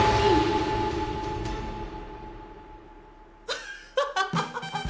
アッハハハハハッ！